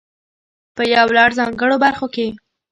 په يو لړ ځانګړو برخو کې.